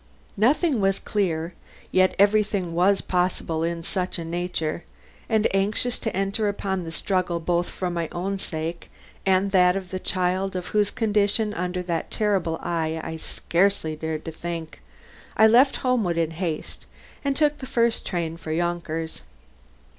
Nothing was clear, yet everything was possible in such a nature; and anxious to enter upon the struggle both for my own sake and that of the child of whose condition under that terrible eye I scarcely dared to think, I left Homewood in haste and took the first train for Yonkers.